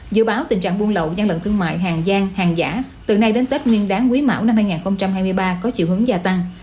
dự báo tình trạng buôn lậu gian lận thương mại hàng giang hàng giả từ nay đến tết nguyên đáng quý mão năm hai nghìn hai mươi ba có chiều hướng gia tăng